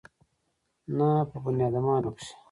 نه په بنيادامانو کښې.